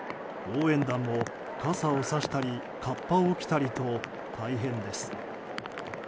応援団も傘をさしたりかっぱを着たりと大変です。